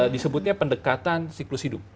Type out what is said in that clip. disebutnya pendekatan siklus hidup